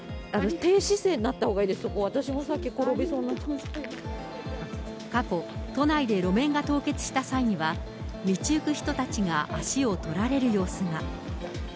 低姿勢になったほうがいいです、過去、都内で路面が凍結した際には、道行く人たちが足を取られる様子が。